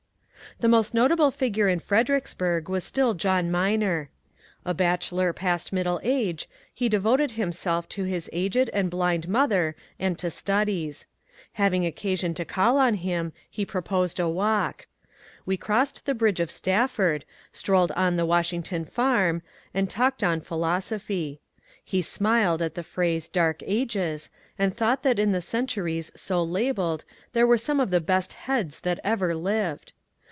The most notable figure in Fredericksburg was still John Minor. A bachelor past middle age, he devoted himself to his aged and blind mother and to studies. Having occasion to call on him, he proposed a walk. We crossed the bridge of Stafford, strolled on the Washington farm, and talked on philosophy. He smiled at the phrase ^^ dark ages," and thought that in the centuries so labelled there were some of the best heads that ever lived.